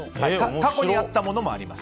過去にあったものもあります。